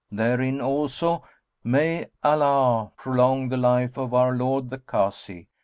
Therein also (may Allah prolong the life of our lord the Kazi!)